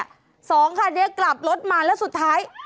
๒คันกลับรถมาแล้วสุดท้าย